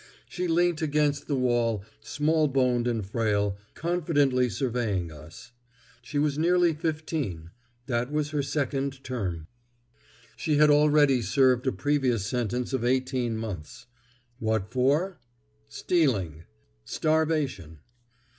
She leant against the wall, small boned and frail, confidently surveying us. She was nearly fifteen. This was her second term. She had already served a previous sentence of eighteen months. What for? Stealing. Starvation.